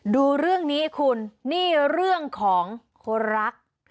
ดูเรื่องนี้คุณนี่เรื่องของคนรัก